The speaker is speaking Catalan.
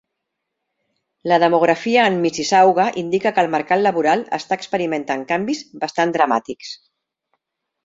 La demografia en Mississauga indica que el mercat laboral està experimentant canvis bastant dramàtics.